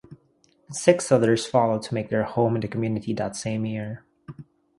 Six others followed to make their home in the community that same year.